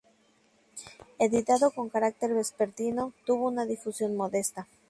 Editado con carácter vespertino, tuvo una difusión modesta.